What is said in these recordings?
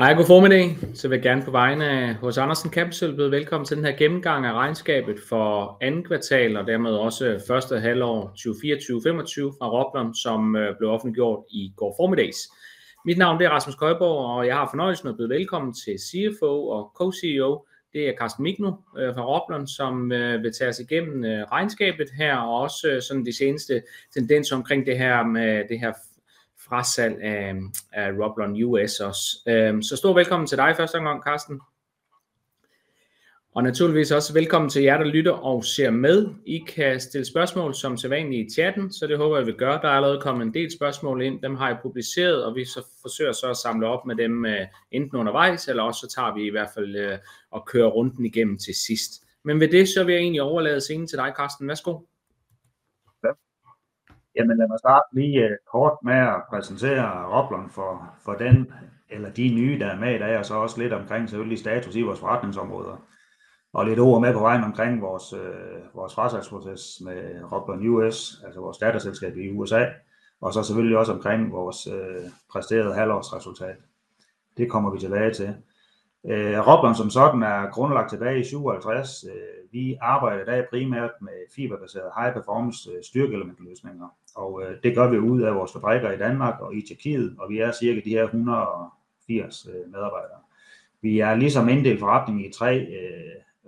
Hej, god formiddag. Så vil jeg gerne på vegne af H.C. Andersen Capital byde velkommen til den her gennemgang af regnskabet for andet kvartal og dermed også første halvår 2024/25 fra Roblon, som blev offentliggjort i går formiddags. Mit navn Rasmus Køjborg, og jeg har fornøjelsen af at byde velkommen til CFO og Co-CEO Carsten Mignold fra Roblon, som vil tage os igennem regnskabet her og også de seneste tendenser omkring frasalget af Roblon US. Så stor velkommen til dig i første omgang, Carsten. Naturligvis også velkommen til jer, der lytter og ser med. I kan stille spørgsmål som sædvanlig i chatten, så det håber jeg, I vil gøre. Der er allerede kommet en del spørgsmål ind. Dem har jeg publiceret, og vi så forsøger så at samle op med dem enten undervejs, eller også så tager vi i hvert fald at køre runden igennem til sidst. Men ved det, så vil jeg egentlig overlade scenen til dig, Carsten. Værsgo. Ja, jamen lad mig starte lige kort med at præsentere Roblon for den eller de nye, der er med i dag, og så også lidt omkring selvfølgelig status i vores forretningsområder og lidt ord med på vejen omkring vores frasalgsproces med Roblon US, altså vores datterselskab i USA, og så selvfølgelig også omkring vores præsterede halvårsresultat. Det kommer vi tilbage til. Roblon som sådan grundlagt tilbage i '57. Vi arbejder i dag primært med fiberbaserede high performance styrkeelementløsninger, og det gør vi ud af vores fabrikker i Danmark og i Tjekkiet, og vi har cirka de her 180 medarbejdere. Vi har ligesom inddelt forretningen i tre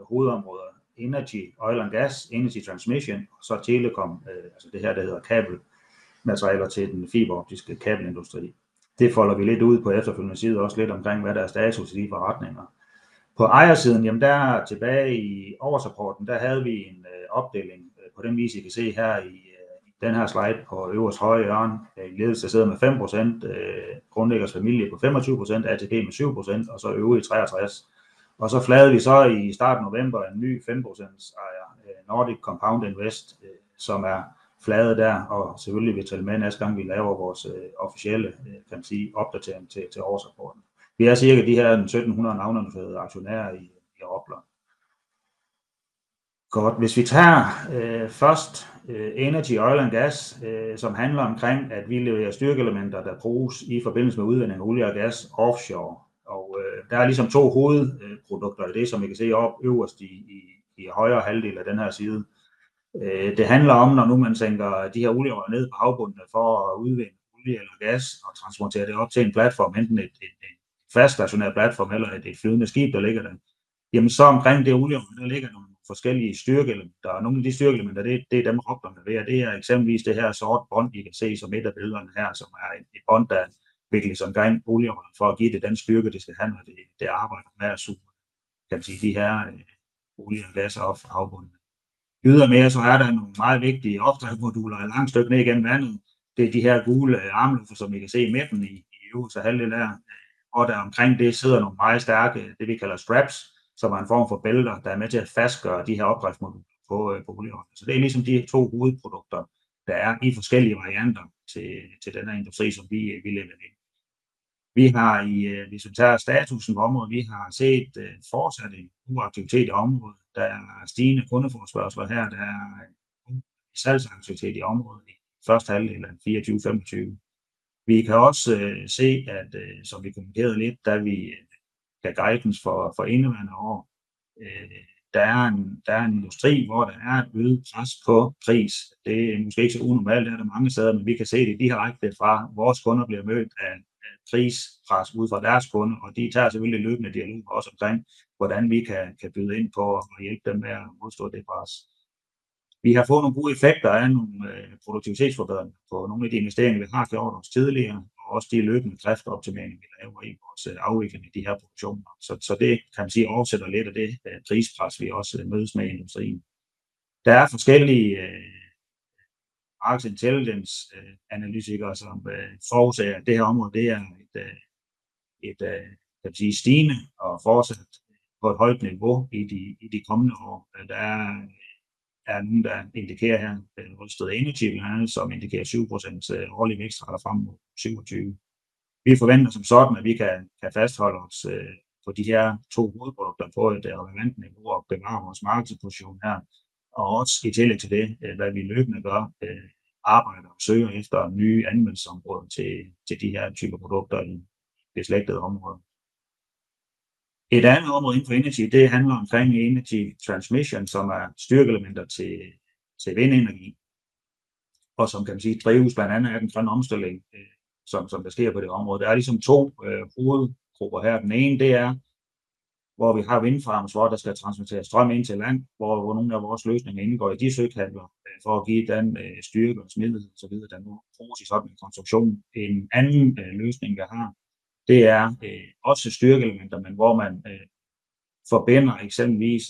hovedområder: Energy, Oil & Gas, Energy Transmission, og så Telecom, altså det her, der hedder kabelmaterialer til den fiberoptiske kabelindustri. Det folder vi lidt ud på efterfølgende side, også lidt omkring, hvad der er status i de forretninger. På ejersiden, jamen der tilbage i årsrapporten, der havde vi en opdeling på den vise, I kan se her i den her slide på øverste højre hjørne. Ledelsen sidder med 5%, grundlæggerens familie på 25%, ATP med 7%, og så øvrige 63%. Og så fik vi så i starten af november en ny 5% ejer, Nordic Compound Invest, som kom der, og selvfølgelig vil tælle med næste gang, vi laver vores officielle, kan man sige, opdatering til årsrapporten. Vi har cirka de her 1.700 navnenoterede aktionærer i Roblon. Godt, hvis vi tager først Energy, Oil & Gas, som handler omkring, at vi leverer styrkeelementer, der bruges i forbindelse med udvinding af olie og gas offshore, og der er ligesom to hovedprodukter i det, som I kan se oppe øverst i højre halvdel af den her side. Det handler om, når nu man sænker de her olierør ned på havbunden for at udvinde olie eller gas og transportere det op til en platform, enten en fast stationær platform eller et flydende skib, der ligger der. Jamen så omkring det olierør, der ligger nogle forskellige styrkeelementer. Nogle af de styrkeelementer, det er dem, Roblon leverer. Det er eksempelvis det her sorte bånd, I kan se som et af billederne her, som et bånd, der vikles omkring olierøret for at give det den styrke, det skal have, når det arbejder med at suge, kan man sige, de her olie og gas op fra havbunden. Ydermere så er der nogle meget vigtige opdriftsmoduler et langt stykke ned igennem vandet. Det de her gule armlufter, som I kan se i midten i øverste halvdel der, og der omkring det sidder nogle meget stærke, det vi kalder straps, som en form for bælter, der med til at fastgøre de her opdriftsmoduler på olieolien. Så det ligesom de her to hovedprodukter, der i forskellige varianter til den her industri, som vi leverer ind. Vi har i, hvis vi tager statusen på området, vi har set fortsat en god aktivitet i området. Der stigende kundeforespørgsler her. Der en god salgsaktivitet i området i første halvdel af 2024/25. Vi kan også se, at som vi kommenterede lidt, da vi gav guidance for indeværende år, der en industri, hvor der et øget pres på pris. Det er måske ikke så unormalt her mange steder, men vi kan se det direkte fra, at vores kunder bliver mødt af prispres ud fra deres kunder, og de tager selvfølgelig løbende dialog med os omkring, hvordan vi kan byde ind på at hjælpe dem med at modstå det pres. Vi har fået nogle gode effekter af nogle produktivitetsforbedringer på nogle af de investeringer, vi har gjort os tidligere, og også de løbende driftsoptimeringer, vi laver i vores afvikling af de her produktioner. Så det kan man sige oversætter lidt af det prispres, vi også mødes med i industrien. Der er forskellige market intelligence-analytikere, som forudser, at det her område, det er et, kan man sige, stigende og fortsat på et højt niveau i de kommende år. Der er nogen, der indikerer her, Rystad Energy her, som indikerer 7% årlig vækstrate frem mod '27. Vi forventer som sådan, at vi kan fastholde os på de her to hovedprodukter på et relevant niveau og bevare vores markedsposition her, og også i tillæg til det, hvad vi løbende gør, arbejder og søger efter nye anvendelsesområder til de her typer produkter i det beslægtede område. Et andet område inden for energi, det handler omkring Energy Transmission, som styrkeelementer til vindenergi, og som kan man sige drives blandt andet af den grønne omstilling, som der sker på det område. Der er ligesom to hovedgrupper her. Den ene, det er hvor vi har vindfarms, hvor der skal transmitteres strøm ind til land, hvor nogle af vores løsninger indgår i de søkabler for at give den styrke og smidighed og så videre, der nu bruges i sådan en konstruktion. En anden løsning vi har, det er også styrkeelementer, men hvor man forbinder eksempelvis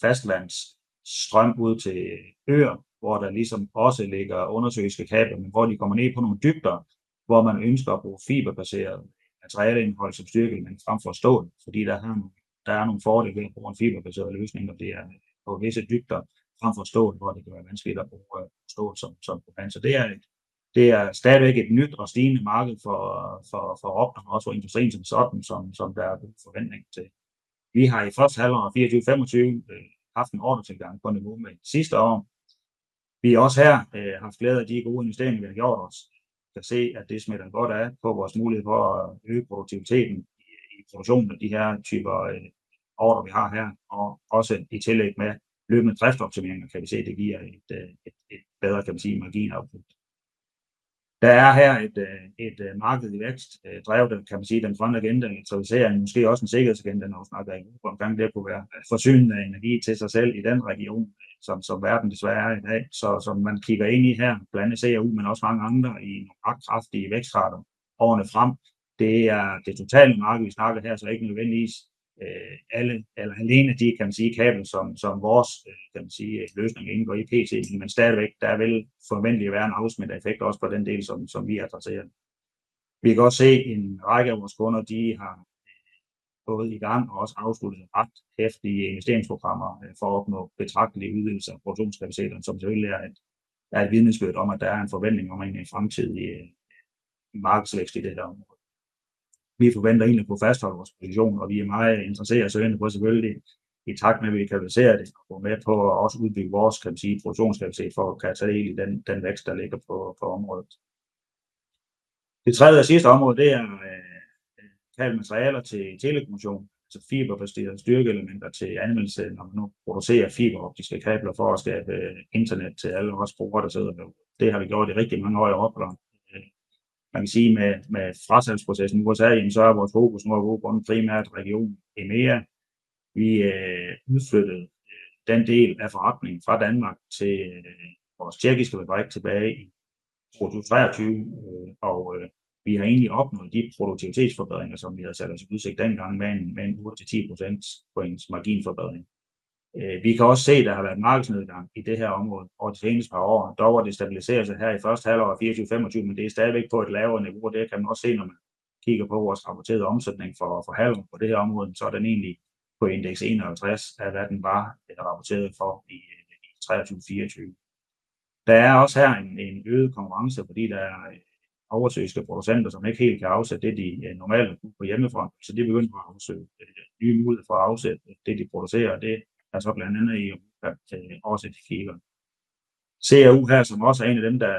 fastlandsstrøm ud til øer, hvor der ligesom også ligger undersøiske kabler, men hvor de kommer ned på nogle dybder, hvor man ønsker at bruge fiberbaseret materialeindhold som styrkeelement frem for stål, fordi der er nogle fordele ved at bruge en fiberbaseret løsning på visse dybder frem for stål, hvor det kan være vanskeligt at bruge stål som styrkeelement. Det er stadigvæk et nyt og stigende marked for Roblon, også for industrien som sådan, som der er god forventning til. Vi har i første halvår 2024/25 haft en ordretilgang på niveau med sidste år. Vi har også her haft glæde af de gode investeringer, vi har gjort os. Vi kan se, at det smitter godt af på vores mulighed for at øge produktiviteten i produktionen af de her typer ordrer, vi har her, og også i tillæg med løbende driftsoptimeringer kan vi se, at det giver et bedre margin output. Det her er et marked i vækst drevet af den grønne agenda, elektrificering, måske også en sikkerhedsagenda, når vi snakker Europa, omkring det at kunne være forsynende af energi til sig selv i den region, som verden desværre ser i dag. Så som man kigger ind i her, blandt andet CAU, men også mange andre i nogle ret kraftige vækstrater årene frem. Det totale marked, vi snakker her, så ikke nødvendigvis alle, eller alene de kabler, som vores løsning indgår i pt., men stadigvæk, der vil forventeligt være en afsmittende effekt også på den del, som vi adresserer. Vi kan også se en række af vores kunder, de har gået i gang og også afsluttet ret heftige investeringsprogrammer for at opnå betragtelige ydelser og produktionskapaciteter, som selvfølgelig er et vidnesbyrd om, at der er en forventning om en fremtidig markedsvækst i det her område. Vi forventer egentlig at kunne fastholde vores position, og vi er meget interesserede og søgende på selvfølgelig i takt med, at vi kanaliserer det og går med på også at udbygge vores produktionskapacitet for at kunne tage del i den vækst, der ligger på området. Det tredje og sidste område, det er materialer til telekommunikation, altså fiberbaserede styrkeelementer til anvendelse, når man nu producerer fiberoptiske kabler for at skabe internet til alle os brugere, der sidder derude. Det har vi gjort i rigtig mange år i Roblon. Man kan sige, med frasalgsprocessen i USA, jamen så er vores fokus nu at gå på en primært region EMEA. Vi udflyttede den del af forretningen fra Danmark til vores tjekkiske fabrik tilbage i 2023, og vi har egentlig opnået de produktivitetsforbedringer, som vi havde sat os i udsigt dengang med en 8-10% points marginforbedring. Vi kan også se, at der har været markedsnedgang i det her område over de seneste par år. Dog var det stabiliseret sig her i første halvår 2024/25, men det stadigvæk på et lavere niveau, og det kan man også se, når man kigger på vores rapporterede omsætning for halvåret på det her område, så den egentlig på indeks 51 af, hvad den var rapporteret for i 2023/24. Der også her en øget konkurrence, fordi der er oversøiske producenter, som ikke helt kan afsætte det, de normalt vil kunne på hjemmefronten, så de er begyndt at afsøge nye muligheder for at afsætte det, de producerer, og det sker blandt andet i Europa, at de kommer til at konkurrere. CAU her, som også en af dem, der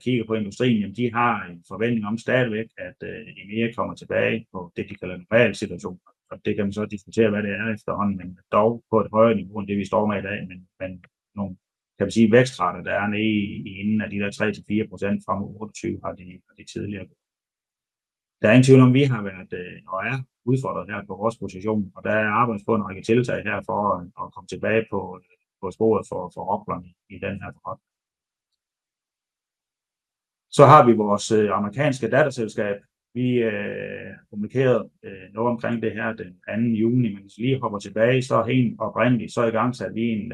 kigger på industrien, jamen de har en forventning om stadigvæk, at EMEA kommer tilbage på det, de kalder normal situation, og det kan man så diskutere, hvad det efterhånden, men dog på et højere niveau end det, vi står med i dag, men nogle, kan man sige, vækstrater, der nede i enden af de der 3-4% frem mod '28, har de tidligere gjort. Der er ingen tvivl om, at vi har været og udfordret her på vores position, og der arbejdes med og rigtige tiltag her for at komme tilbage på sporet for Roblon i den her forretning. Så har vi vores amerikanske datterselskab. Vi har kommunikeret noget omkring det her den 2. Juni, men hvis vi lige hopper tilbage, så helt oprindeligt så igangsatte vi en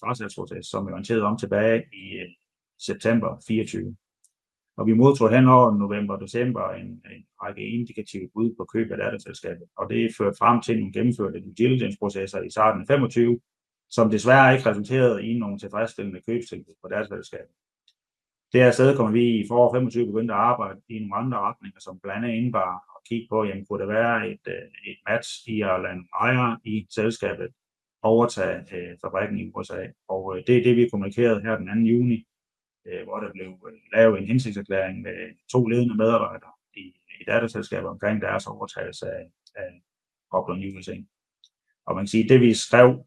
frasalgsproces, som vi orienterede om tilbage i september '24, og vi modtog hen over november og december en række indikative bud på køb af datterselskabet, og det førte frem til nogle gennemførte due diligence-processer i starten af '25, som desværre ikke resulterede i nogle tilfredsstillende købstilbud på datterselskabet. Det her sted kommer vi i foråret '25 begyndt at arbejde i nogle andre retninger, som blandt andet indebærer at kigge på, jamen kunne der være et match i at lade nogle ejere i selskabet overtage fabrikken i USA, og det det vi kommunikerede her den 2. juni, hvor der blev lavet en hensigtserklæring med to ledende medarbejdere i datterselskabet omkring deres overtagelse af Roblon USA. Og man kan sige, det vi skrev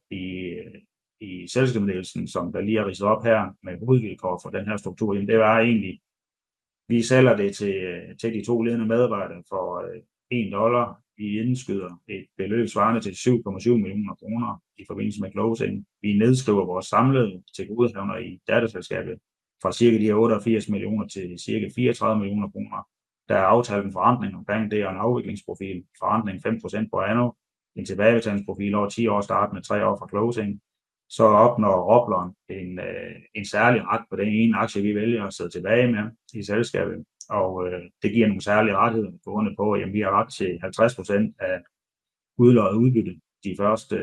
i selskabsuddannelsen, som der lige ridset op her med hovedvilkår for den her struktur, jamen det var egentlig, vi sælger det til de to ledende medarbejdere for $1, vi indskyder et beløb svarende til 7,7 millioner kroner i forbindelse med closing, vi nedskriver vores samlede tilgodehavner i datterselskabet fra cirka de her 88 millioner til cirka 34 millioner kroner. Der aftales en forrentning omkring det og en afviklingsprofil, forrentning 5% på anno, en tilbagebetalingsprofil over 10 år startende 3 år fra closing, så opnår Roblon en særlig ret på den ene aktie, vi vælger at sidde tilbage med i selskabet, og det giver nogle særlige rettigheder med grundet på, at vi har ret til 50% af udloddet udbytte de første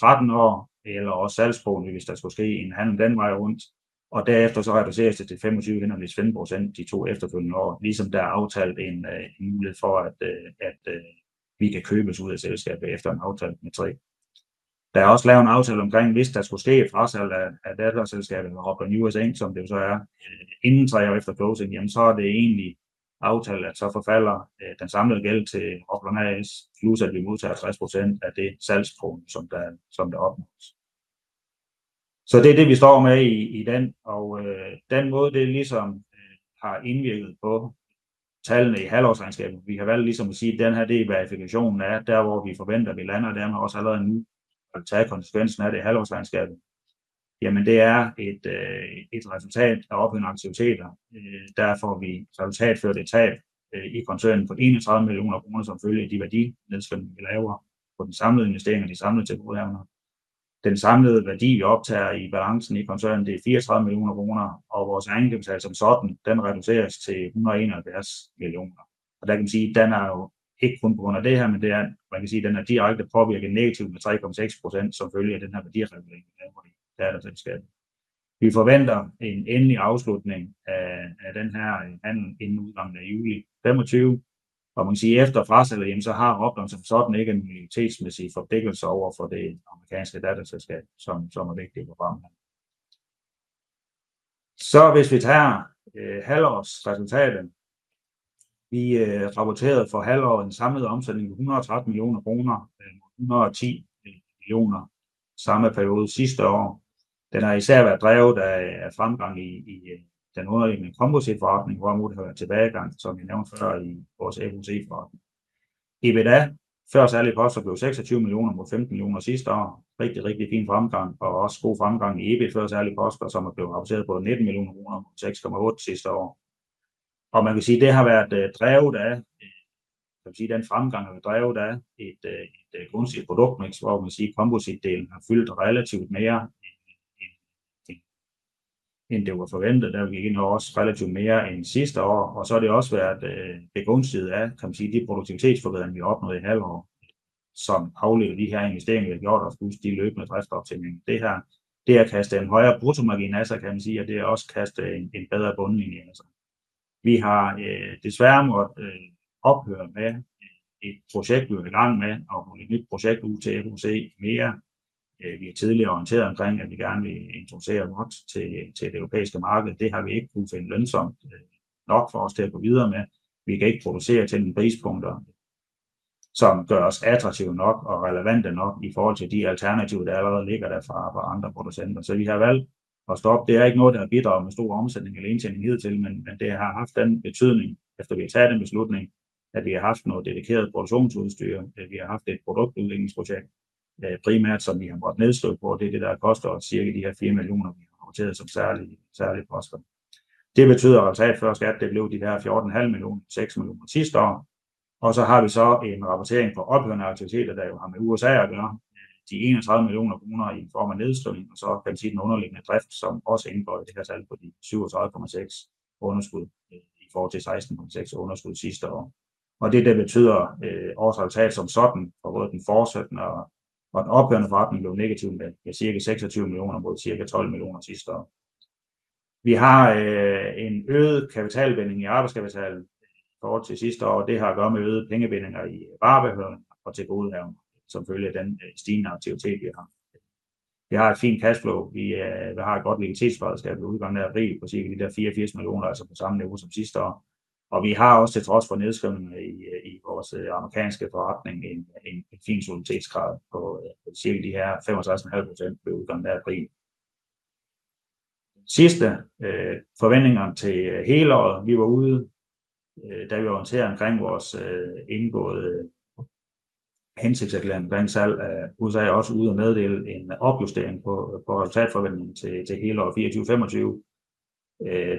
13 år, eller også salgsboen, hvis der skulle ske en handel den vej rundt, og derefter så reduceres det til 25,5% de to efterfølgende år, ligesom der aftales en mulighed for, at vi kan købes ud af selskabet efter en aftale med 3. Der er også lavet en aftale omkring, hvis der skulle ske et frasalg af datterselskabet Roblon USA, som det jo så inden 3 år efter closing, jamen så er det egentlig aftalt, at så forfalder den samlede gæld til Roblon A/S, plus at vi modtager 60% af det salgsbeløb, som der opnås. Så det er det, vi står med i den, og den måde, det ligesom har indvirket på tallene i halvårsregnskabet, vi har valgt ligesom at sige, at den her, det er verifikationen af, der hvor vi forventer, at vi lander, og dermed også allerede nu tage konsekvensen af det i halvårsregnskabet, jamen det er et resultat af ophørende aktiviteter, der får vi resultatført et tab i koncernen på 31 millioner kroner, som følge af de værdinedskrivninger, vi laver på den samlede investering og de samlede tilgodehavender. Den samlede værdi, vi optager i balancen i koncernen, det 34 millioner kroner, og vores egenkapital som sådan, den reduceres til 171 millioner, og der kan man sige, den jo ikke kun på grund af det her, men det at man kan sige, den direkte påvirket negativt med 3,6% som følge af den her værdiregulering, vi laver i datterselskabet. Vi forventer en endelig afslutning af den her handel inden udgangen af juli 2025, og man kan sige, efter frasalget, så har Roblon som sådan ikke en minoritetsmæssig forpligtelse over for det amerikanske datterselskab, som vigtigt på fremtiden. Hvis vi tager halvårsresultatet, vi rapporterede for halvåret en samlet omsætning på 113 millioner kroner mod 110 millioner samme periode sidste år. Den har især været drevet af fremgang i den underliggende kompositforretning, hvorimod der har været tilbagegang, som jeg nævnte før, i vores ABC-forretning. EBITDA før særlige poster blev 26 millioner mod 15 millioner sidste år, rigtig fin fremgang, og også god fremgang i EBIT før særlige poster, som blev rapporteret på 19 millioner kroner mod 6,8 sidste år. Det har været drevet af den fremgang, som har været drevet af et gunstigt produktmix, hvor kompositdelen har fyldt relativt mere end det var forventet, da vi gik ind og også relativt mere end sidste år, og så har det også været begunstiget af de produktivitetsforbedringer, vi opnåede i halvåret, som afledte de investeringer, vi har gjort os, plus de løbende driftsoptimeringer. Det har kastet en højere bruttomargin af sig, og det har også kastet en bedre bundlinje af sig. Vi har desværre måttet ophøre med et projekt, vi var i gang med at rulle et nyt projekt ud til ABC EMEA. Vi har tidligere orienteret omkring, at vi gerne vil introducere ROT til det europæiske marked. Det har vi ikke kunnet finde lønsommt nok for os til at gå videre med. Vi kan ikke producere til nogle prispunkter, som gør os attraktive nok og relevante nok i forhold til de alternativer, der allerede ligger der fra andre producenter, så vi har valgt at stoppe. Det er ikke noget, der har bidraget med stor omsætning eller indtjening hidtil, men det har haft den betydning, efter vi har taget den beslutning, at vi har haft noget dedikeret produktionsudstyr, vi har haft et produktudviklingsprojekt, primært som vi har måttet nedskrive på. Det er det, der har kostet os cirka de her 4 millioner, vi har rapporteret som særlige poster. Det betyder, at resultat før skat blev de der 14,5 millioner, 6 millioner sidste år, og så har vi så en rapportering på ophørende aktiviteter, der jo har med USA at gøre, de 31 millioner kroner i form af nedskrivning, og så kan man sige den underliggende drift, som også indgår i det her tal på de 37,6 underskud i forhold til 16,6 underskud sidste år. Det betyder, at vores resultat som sådan for både den fortsatte og den ophørende forretning blev negativ med cirka 26 millioner mod cirka 12 millioner sidste år. Vi har en øget kapitalbinding i arbejdskapitalen i forhold til sidste år, og det har at gøre med øgede pengebindinger i varebeholdninger og tilgodehavender, som følge af den stigende aktivitet, vi har haft. Vi har et fint cashflow, vi har et godt likviditetsberedskab ved udgangen af april på cirka 84 millioner, altså på samme niveau som sidste år, og vi har også til trods for nedskrivningerne i vores amerikanske forretning en fin soliditet på cirka 65,5% ved udgangen af april. Sidste forventninger til hele året, vi var ude, da vi orienterede omkring vores indgåede hensigtserklæring omkring salg af USA, også ude at meddele en opjustering på resultatforventningen til hele år 2024/25.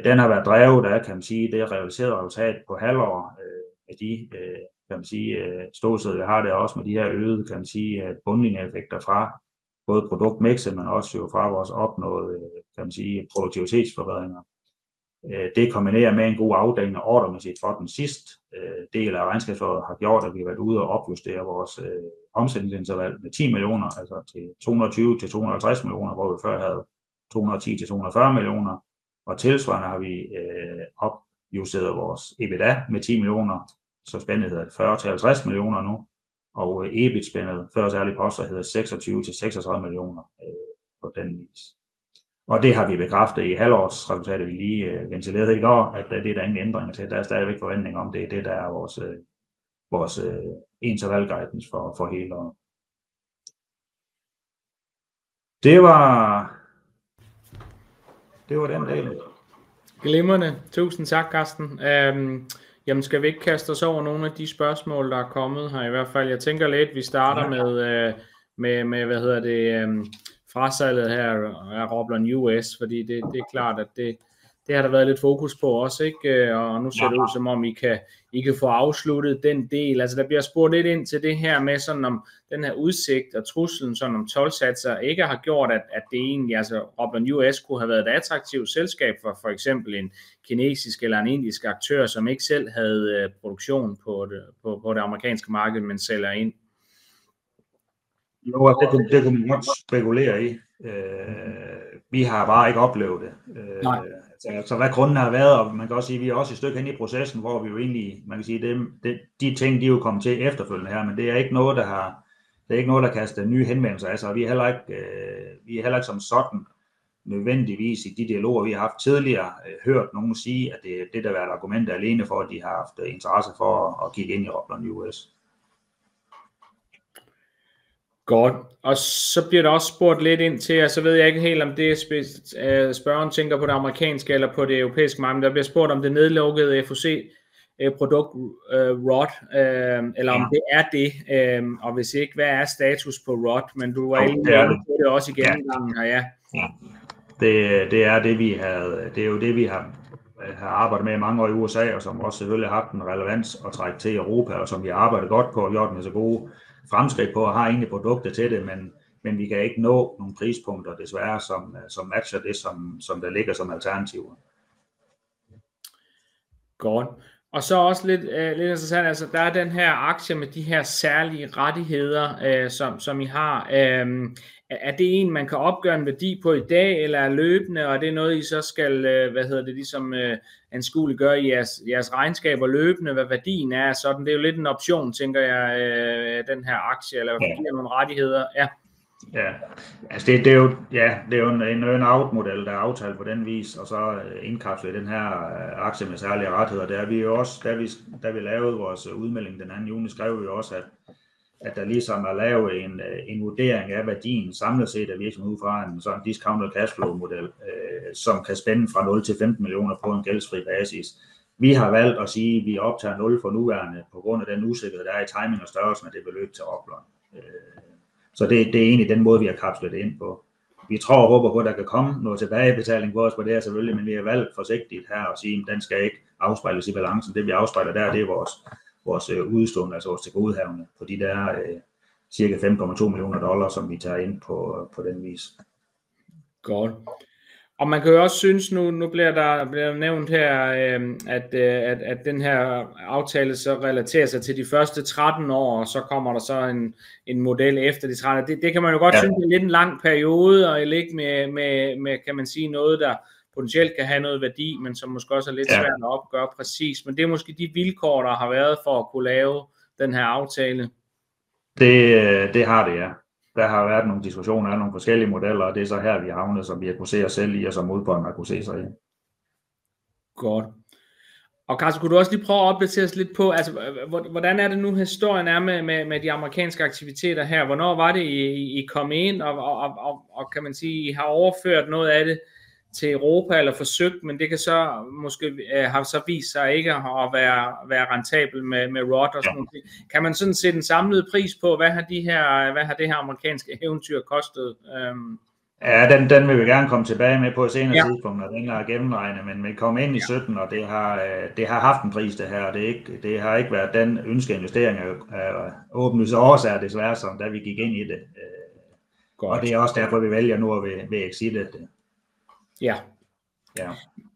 Den har været drevet af det realiserede resultat på halvår af det ståsted, vi har der også med de øgede bundlinjeeffekter fra både produktmixet, men også fra vores opnåede produktivitetsforbedringer. Det kombineret med en god afdækning af ordremæssigt for den sidste del af regnskabsåret har gjort, at vi har været ude og opjustere vores omsætningsinterval med 10 millioner, altså til 220 til 250 millioner, hvor vi før havde 210 til 240 millioner, og tilsvarende har vi opjusteret vores EBITDA med 10 millioner, så spændet hedder 40 til 50 millioner nu, og EBIT-spændet før særlige poster hedder 26 til 36 millioner på den vis. Og det har vi bekræftet i halvårsresultatet, vi lige ventilerede i går, at det der ingen ændringer til, der stadigvæk forventninger om, det det, der vores intervalguidance for hele året. Det var den del. Glimrende, tusind tak, Carsten. Jamen skal vi ikke kaste os over nogle af de spørgsmål, der kommet her i hvert fald? Jeg tænker lidt, at vi starter med hvad hedder det, frasalget her af Roblon US, fordi det klart, at det har der været lidt fokus på også, ikke? Og nu ser det ud som om, I kan få afsluttet den del, altså der bliver spurgt lidt ind til det her med sådan om den her udsigt og trusselen, sådan om toldsatser ikke har gjort, at Roblon US kunne have været et attraktivt selskab for for eksempel en kinesisk eller en indisk aktør, som ikke selv havde produktion på det amerikanske marked, men sælger ind. Jo, og det kunne man godt spekulere i. Vi har bare ikke oplevet det. Øh, så hvad grunden har været, og man kan også sige, vi også et stykke henne i processen, hvor vi jo egentlig, man kan sige, de ting, de jo kommet til efterfølgende her, men det ikke noget, der har, det ikke noget, der kaster nye henvendelser af sig, og vi heller ikke, vi heller ikke som sådan nødvendigvis i de dialoger, vi har haft tidligere, hørt nogen sige, at det det, der har været argumentet alene for, at de har haft interesse for at kigge ind i Roblon US. Godt, og så bliver der også spurgt lidt ind til, og så ved jeg ikke helt, om det spørgeren tænker på det amerikanske eller på det europæiske marked, men der bliver spurgt om det nedlukket FOC produkt ROT, eller om det det, og hvis ikke, hvad status på ROT, men du var inde på det også i gennemgangen her, ja. Ja, det, vi havde, det jo det, vi har arbejdet med i mange år i USA, og som også selvfølgelig har haft en relevans at trække til Europa, og som vi har arbejdet godt på, og gjort en masse gode fremskridt på, og har egentlig produktet til det, men vi kan ikke nå nogle prispunkter desværre, som matcher det, som der ligger som alternativer. Godt, og så også lidt interessant, altså der den her aktie med de her særlige rettigheder, som I har, det en, man kan opgøre en værdi på i dag, eller løbende, og det noget, I så skal ligesom anskueliggøre i jeres regnskaber løbende, hvad værdien sådan, det jo lidt en option, tænker jeg, den her aktie, eller giver nogle rettigheder, ja. Ja, altså det, det jo, ja, det jo en earn-out model, der aftalt på den vis, og så indkapsler vi den her aktie med særlige rettigheder, det vi jo også, da vi lavede vores udmelding den 2. juni, skrev vi jo også, at der ligesom lavet en vurdering af værdien samlet set af virksomheden ud fra en sådan discounted cashflow model, som kan spænde fra 0 til 15 millioner på en gældsfri basis. Vi har valgt at sige, vi optager 0 for nuværende på grund af den usikkerhed, der er i timing og størrelsen af det beløb til Roblon. Så det, det er egentlig den måde, vi har kapslet det ind på. Vi tror og håber på, at der kan komme noget tilbagebetaling på os på det her selvfølgelig, men vi har valgt forsigtigt her at sige, den skal ikke afspejles i balancen. Det vi afspejler der, det er vores udestående, altså vores tilgodehavende på de der cirka $5.2 millioner, som vi tager ind på den vis. Godt, og man kan jo også synes nu, nu bliver der nævnt her, at den her aftale så relaterer sig til de første 13 år, og så kommer der så en model efter de 13. Det kan man jo godt synes er lidt en lang periode, og ikke med, kan man sige, noget der potentielt kan have noget værdi, men som måske også er lidt svært at opgøre præcist, men det er måske de vilkår, der har været for at kunne lave den her aftale. Det har det, ja. Der har været nogle diskussioner af nogle forskellige modeller, og det er så her, vi er havnet, som vi har kunnet se os selv i, og som udvalget har kunnet se sig i. Godt, og Carsten, kunne du også lige prøve at opdatere os lidt på, altså, hvordan det nu, historien med de amerikanske aktiviteter her, hvornår var det I kom ind, og kan man sige I har overført noget af det til Europa, eller forsøgt, men det kan så måske har vist sig ikke at være rentabel med ROT og sådan nogle ting, kan man sådan se den samlede pris på, hvad har det her amerikanske eventyr kostet? Ja, den vil vi gerne komme tilbage med på et senere tidspunkt, når vi engang har gennemregnet, men vi kom ind i 2017, og det har haft en pris, det her, og det har ikke været den ønskede investering af åbenlyse årsager, desværre, som da vi gik ind i det, og det også derfor, vi vælger nu at være ved exit af det. Ja.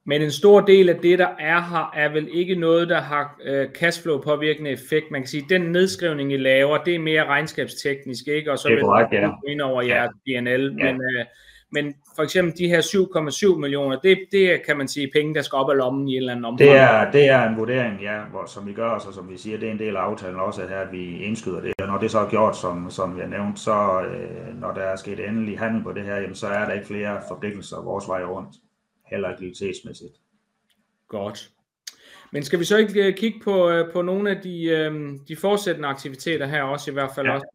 Men en stor del af det her, det er ikke noget, der har cashflow-påvirkende effekt, man kan sige, den nedskrivning I laver, det er mere regnskabsteknisk, ikke, og så vil vi gå ind over jeres P&L, men for eksempel de her 7,7 millioner, det kan man sige, penge, der skal op af lommen i et eller andet omfang. Det er en vurdering, ja, hvor som vi gør, og så som vi siger, det er en del af aftalen også her, at vi indskyder det, og når det så er gjort, som vi har nævnt, så når der er sket endelig handel på det her, jamen så er der ikke flere forpligtelser vores vej rundt, heller ikke kvalitetsmæssigt. Godt, men skal vi så ikke kigge på nogle af de fortsættende aktiviteter her også, i hvert fald også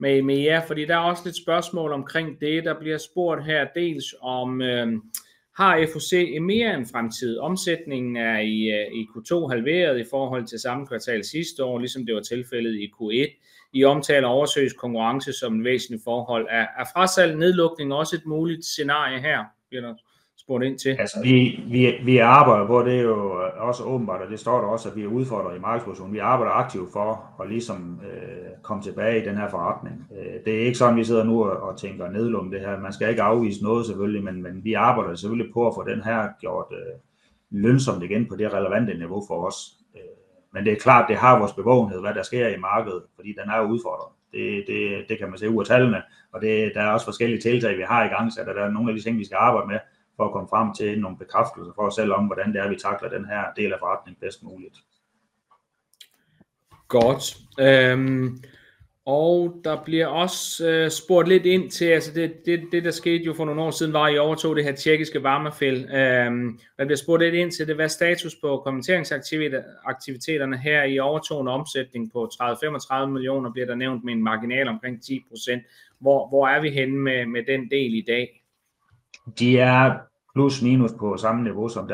med jer, fordi der er også lidt spørgsmål omkring det, der bliver spurgt her, dels om har FOC EMEA en fremtid, omsætningen i Q2 er halveret i forhold til samme kvartal sidste år, ligesom det var tilfældet i Q1. I omtaler oversøisk konkurrence som et væsentligt forhold, frasalg, nedlukning også et muligt scenarie her, bliver der spurgt ind til. Altså, vi arbejder på det, det er jo også åbenbart, og det står der også, at vi er udfordret i markedsproduktion. Vi arbejder aktivt for at komme tilbage i den her forretning. Det er ikke sådan, vi sidder nu og tænker nedlukning af det her. Man skal ikke afvise noget selvfølgelig, men vi arbejder jo selvfølgelig på at få den her gjort lønsomm igen på det relevante niveau for os. Men det er klart, det har vores bevågenhed, hvad der sker i markedet, fordi den jo er udfordret. Det kan man se ud af tallene, og der er også forskellige tiltag, vi har igangsat, og der er nogle af de ting, vi skal arbejde med for at komme frem til nogle bekræftelser for os selv om, hvordan vi takler den her del af forretningen bedst muligt. Godt, og der bliver også spurgt lidt ind til, altså det der skete jo for nogle år siden, var at I overtog det her tjekkiske varmefælde. Man bliver spurgt lidt ind til det, hvad status på konverteringsaktiviteterne her i overtog en omsætning på 30-35 millioner, bliver der nævnt med en marginal omkring 10%, hvor vi henne med den del i dag? De plus minus på samme niveau som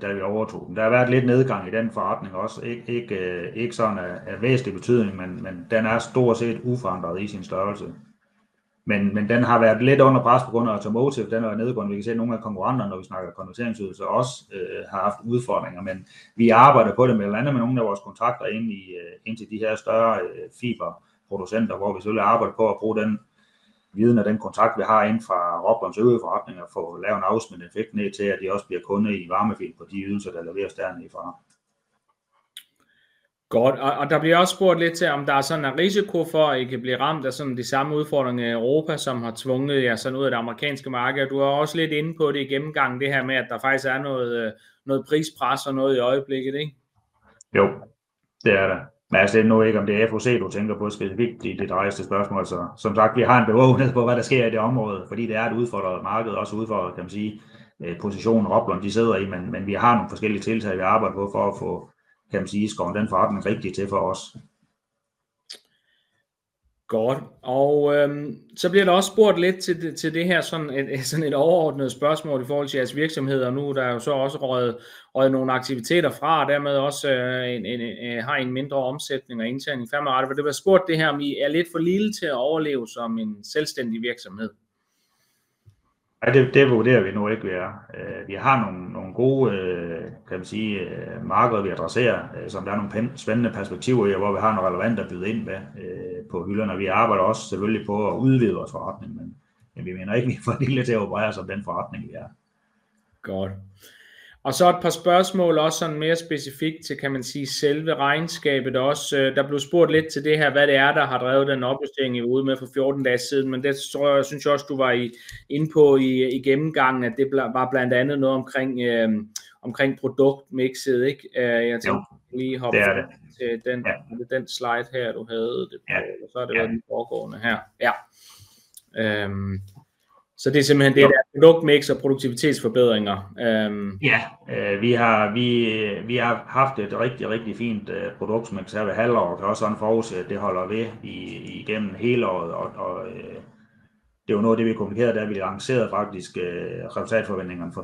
da vi overtog dem, der har været lidt nedgang i den forretning også, ikke af væsentlig betydning, men den stort set uforandret i sin størrelse, men den har været lidt under pres på grund af automotive, den har været nedgående. Vi kan se, at nogle af konkurrenterne, når vi snakker konverteringsydelser også, har haft udfordringer, men vi arbejder på det med blandt andet med nogle af vores kontrakter ind til de her større fiberproducenter, hvor vi selvfølgelig arbejder på at bruge den viden og den kontrakt, vi har ind fra Roblons øvrige forretninger, få lavet en afsmittende effekt ned til, at de også bliver kunder i varmefelt på de ydelser, der leveres dernede fra. Godt, og der bliver også spurgt lidt til, om der er sådan en risiko for, at I kan blive ramt af sådan de samme udfordringer i Europa, som har tvunget jer sådan ud af det amerikanske marked, og du var også lidt inde på det i gennemgangen, det her med, at der er faktisk noget prispres i øjeblikket, ikke? Jo, det der, men det er nu ikke, om det er FOC, du tænker på specifikt, i det drejer sig til spørgsmål, så som sagt, vi har en bevågenhed på, hvad der sker i det område, fordi det er et udfordret marked, også udfordret, kan man sige, positionen Roblon sidder i, men vi har nogle forskellige tiltag, vi arbejder på for at få, kan man sige, skåret den forretning rigtigt til for os. Godt, og så bliver der også spurgt lidt til det her, sådan et overordnet spørgsmål i forhold til jeres virksomhed, og nu der jo så også røget nogle aktiviteter fra, og dermed også en mindre omsætning og indtjening fremadrettet, for det bliver spurgt det her, om I lidt for lille til at overleve som en selvstændig virksomhed. Ja, det vurderer vi nu ikke. Vi har nogle gode markeder, vi adresserer, som der er nogle spændende perspektiver i, og hvor vi har nogle relevante ting at byde ind med på hylderne, og vi arbejder også selvfølgelig på at udvide vores forretning. Men vi mener ikke, vi er for lille til at operere som den forretning, vi er. Godt, og så et par spørgsmål også sådan mere specifikt til selve regnskabet også. Der blev spurgt lidt til det her, hvad det der har drevet den opjustering, I var ude med for 14 dage siden, men det tror jeg, synes jeg også, du var inde på i gennemgangen, at det var blandt andet noget omkring produktmixet, ikke? Jeg tænkte lige hoppe til den slide her, du havde, det, og så har det været den foregående her, ja. Så det er simpelthen det der produktmix og produktivitetsforbedringer. Ja, vi har haft et rigtig, rigtig fint produktmix her ved halvår, og kan også forudse, at det holder ved gennem hele året. Det var noget af det, vi kommunikerede, da vi lancerede resultatforventningerne for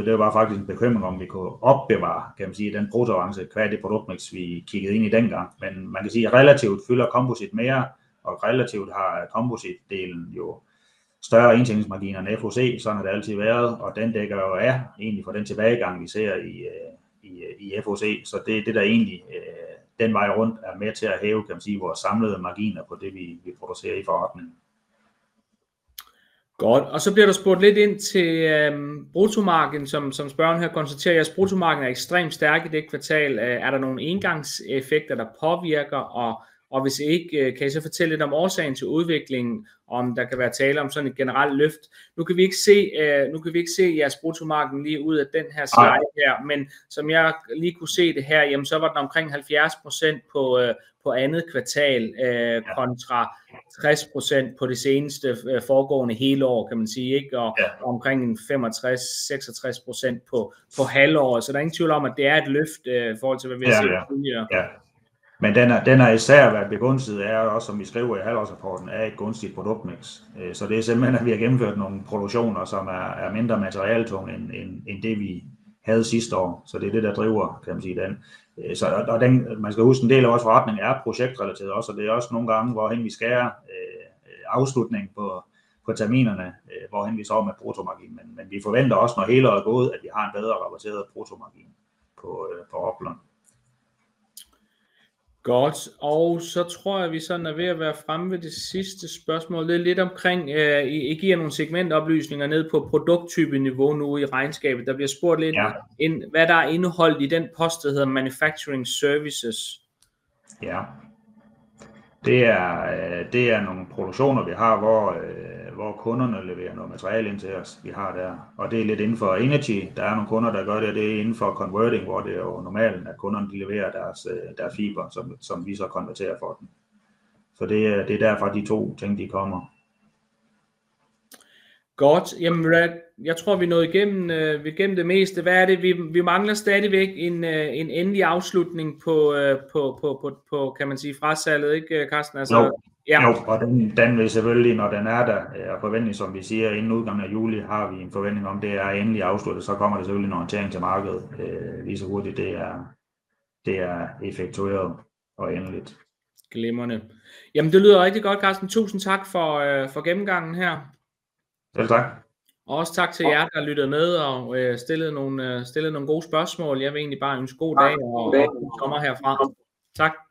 24-25. Det var faktisk en bekymring om, vi kunne opbevare den produktmiks, vi kiggede ind i dengang, men man kan sige, relativt fylder Composite mere, og relativt har Composite-delen større indtjeningsmarginer end FOC, sådan har det altid været, og den dækker egentlig for den tilbagegang, vi ser i FOC, så det er egentlig den vej rundt med til at hæve vores samlede marginer på det, vi producerer i forretningen. Godt, og så bliver der spurgt lidt ind til bruttomarkeden, som spørgeren her konstaterer, jeres bruttomarked ekstremt stærk i det kvartal. Der nogle engangseffekter, der påvirker, og hvis ikke, kan I så fortælle lidt om årsagen til udviklingen, om der kan være tale om sådan et generelt løft? Nu kan vi ikke se jeres bruttomarked lige ud af den her slide her, men som jeg lige kunne se det her, jamen så var den omkring 70% på andet kvartal kontra 60% på det seneste foregående hele år, kan man sige, ikke, og omkring en 65-66% på halvåret, så der ingen tvivl om, at det et løft i forhold til, hvad vi har set tidligere. Ja, men den har især været begunstiget, også som vi skriver i halvårsrapporten, et gunstigt produktmix, så det simpelthen at vi har gennemført nogle produktioner, som mindre materieltunge end det vi havde sidste år, så det der driver, kan man sige den. Og man skal huske, en del af vores forretning projektrelateret også, og det også nogle gange hvorhen vi skærer afslutningen på terminerne, hvorhen vi står med bruttomarginen, men vi forventer også, når hele året gået, at vi har en bedre rapporteret bruttomargin på Roblon. Godt, og så tror jeg vi ved at være fremme ved det sidste spørgsmål, det lidt omkring I giver nogle segmentoplysninger nede på produkttypeniveau nu i regnskabet, der bliver spurgt lidt ind hvad der indeholdt i den post der hedder manufacturing services. Ja, det er nogle produktioner, vi har, hvor kunderne leverer noget materiale ind til os. Vi har det, og det er lidt inden for energy, der er nogle kunder, der gør det, og det er inden for converting, hvor det jo er normalt, at kunderne de leverer deres fiber, som vi så konverterer for dem, så det er derfor, de to ting kommer. Godt, jamen jeg tror, vi nåede igennem det meste. Hvad vi mangler stadigvæk er en endelig afslutning på frasalget, ikke Carsten? Jo, jo, og den vil selvfølgelig, når den der forventning, som vi siger, inden udgangen af juli, har vi en forventning om, at det er endeligt afsluttet, så kommer der selvfølgelig en orientering til markedet lige så hurtigt det er effektueret og endeligt. Glimrende, jamen det lyder rigtig godt, Carsten, tusind tak for gennemgangen her. Selv tak. Og også tak til jer, der lyttede med og stillede nogle gode spørgsmål. Jeg vil egentlig bare ønske god dag og god sommer herfra, tak.